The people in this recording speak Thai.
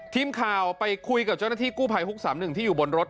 ทีมข่าวไปคุยกับเจ้าหน้าที่กู้ภัยฮุก๓๑ที่อยู่บนรถ